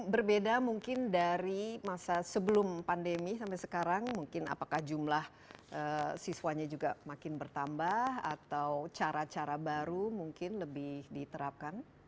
berbeda mungkin dari masa sebelum pandemi sampai sekarang mungkin apakah jumlah siswanya juga makin bertambah atau cara cara baru mungkin lebih diterapkan